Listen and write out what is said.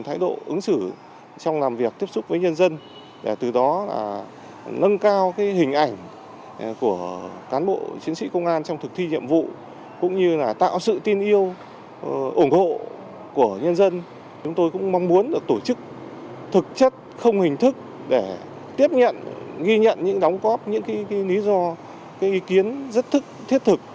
thực chất không hình thức để tiếp nhận ghi nhận những đóng góp những cái lý do cái ý kiến rất thức thiết thực